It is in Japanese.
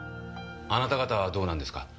あなた方はどうなんですか？